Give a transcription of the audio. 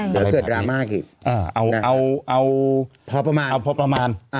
ใช่อะไรแบบนี้เอาพอประมาณ